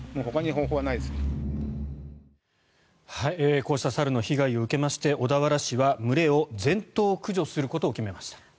こうした猿の被害を受けまして小田原市は群れを全頭駆除することを決めました。